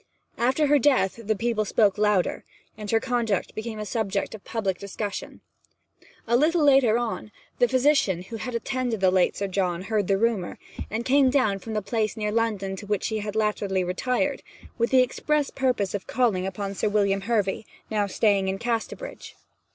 After her death the people spoke louder, and her conduct became a subject of public discussion. A little later on, the physician, who had attended the late Sir John, heard the rumour, and came down from the place near London to which he latterly had retired, with the express purpose of calling upon Sir William Hervy, now staying in Casterbridge.